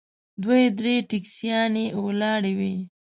دوه درې ټیکسیانې ولاړې وې.